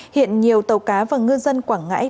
hiện nhiều tàu cá và ngư dân quảng ngãi